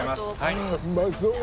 うまそう！